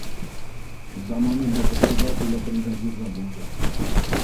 Заманында председатель дә, бригадир ҙа булды.